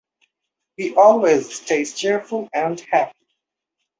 He always stays cheerful and happy.